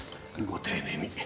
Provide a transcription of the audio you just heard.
ご丁寧に。